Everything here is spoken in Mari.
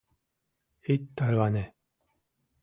Ит тарване!